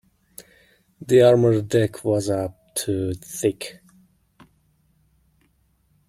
The armored deck was up to thick.